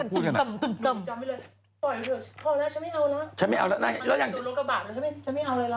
พอแล้วฉันไม่เอาแล้ว